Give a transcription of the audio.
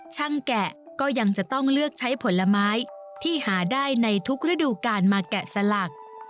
แกะก็ยังจะต้องเลือกใช้ผลไม้ที่หาได้ในทุกฤดูการมาแกะสลัก